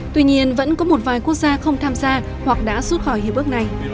tuy nhiên vẫn có một vài quốc gia không tham gia hoặc đã rút khỏi hiệp ước này